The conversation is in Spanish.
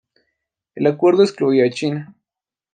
El acuerdo excluyó a China.